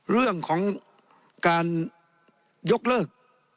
เรื่องของการยกเลิก